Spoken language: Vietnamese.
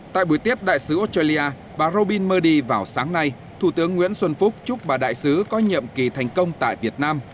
tại buổi tiếp đại sứ australia bà robin murdy vào sáng nay thủ tướng nguyễn xuân phúc chúc bà đại sứ có nhiệm kỳ thành công tại việt nam